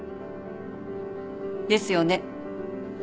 ですよね？